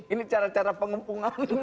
ini cara cara pengepungan